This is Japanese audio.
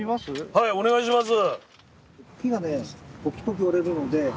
はいお願いします！